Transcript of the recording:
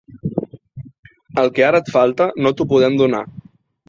El que ara et falta no t'ho podem donar.